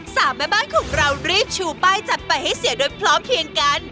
สามแม่บ้านของเรารีบชูป้ายจัดไปให้เสียโดยพร้อมเพียงกัน